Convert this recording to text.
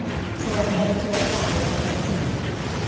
So I had to tell father that I couldn't.